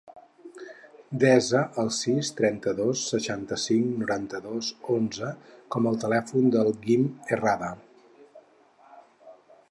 Desa el sis, trenta-dos, seixanta-cinc, noranta-dos, onze com a telèfon del Guim Herrada.